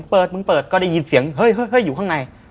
มึงเปิดก็ได้ยินเสียงเฮ้ยอยู่ข้างใน